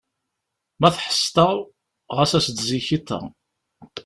Ma tḥesseḍ-aɣ, ɣas as-d zik iḍ-a.